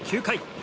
９回。